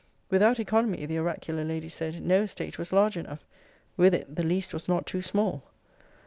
Without economy, the oracular lady said, no estate was large enough. With it, the least was not too small.